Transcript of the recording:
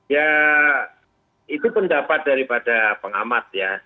ya itu pendapat daripada pengamat ya